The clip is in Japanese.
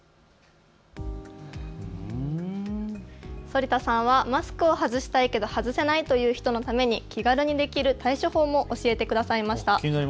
反田さんはマスクを外したいけれど外せないという人のために気軽にできる対処法も教えてくださいました。